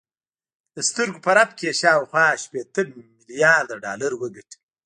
د سترګو په رپ کې یې شاوخوا شپېته میلارده ډالر وګټل